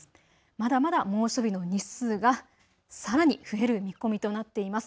まだまだ猛暑日の日数がさらに増える見込みとなっています。